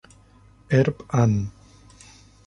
Herb., Ann.